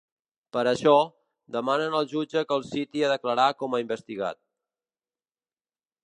Per això, demanen al jutge que el citi a declarar com a investigat.